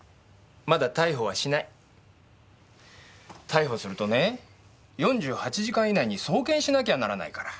逮捕するとね４８時間以内に送検しなきゃならないから。